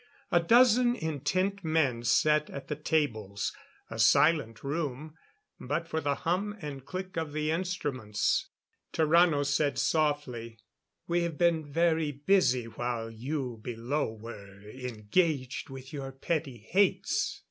A dozen intent men sat at the tables; a silent room, but for the hum and click of the instruments. Tarrano said softly: "We have been very busy while you below were engaged with your petty hates."